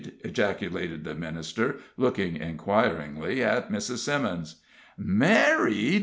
ejaculated the minister, looking inquiringly at Mrs. Simmons. "Married!"